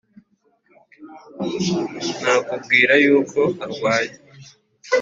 Nakubwira yuko arwaye